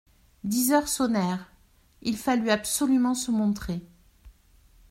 Dix heures sonnèrent : il fallut absolument se montrer.